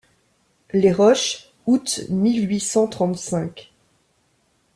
Les Roches, août mille huit cent trente-cinq.